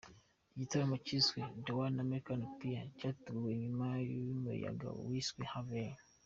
Igitaramo cyiswe The One America Appeal cyateguwe nyuma y’umuyaga wiswe Harvey.